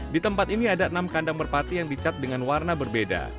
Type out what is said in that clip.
di tempat ini ada enam kandang merpati yang dicat dengan warna berbeda